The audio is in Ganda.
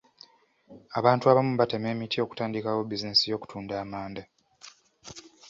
Abantu abamu batema emiti okutandikawo bizinensi y'okutunda amanda.